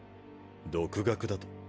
独学だと？